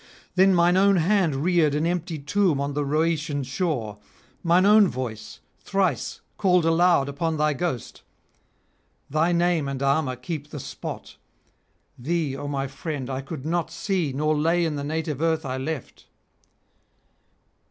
Then mine own hand reared an empty tomb on the Rhoetean shore, mine own voice thrice called aloud upon thy ghost. Thy name and armour keep the spot; thee, O my friend, I could not see nor lay in the native earth I left.'